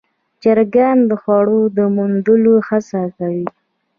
چرګان د خوړو د موندلو هڅه کوي.